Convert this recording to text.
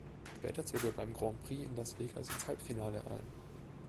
Später zog er beim Grand Prix in Las Vegas ins Halbfinale ein.